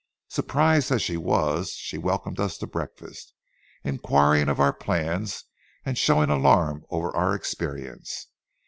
Surprised as she was, she welcomed us to breakfast, inquiring of our plans and showing alarm over our experience.